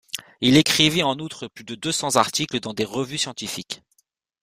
Il écrivit en outre plus de deux cents articles dans des revues scientifiques.